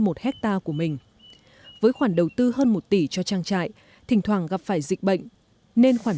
một hectare của mình với khoản đầu tư hơn một tỷ cho trang trại thỉnh thoảng gặp phải dịch bệnh nên khoản